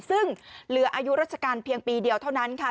ซึ่งเหลืออายุราชการเพียงปีเดียวเท่านั้นค่ะ